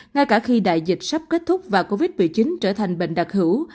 ngay cả khi đại dịch sắp kết thúc và covid một mươi chín trở thành bệnh đặc hữu